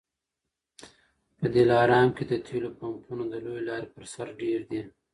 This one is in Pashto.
په دلارام کي د تېلو پمپونه د لويې لارې پر سر ډېر دي